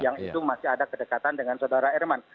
yang itu masih ada kedekatan dengan saudara erman